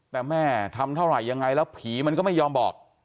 แต่แม่ทำเท่าไหร่ยังไงแล้วผีมันก็ไม่ยอมบอก